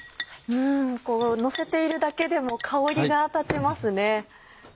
うんのせているだけでも香りが立ちますね。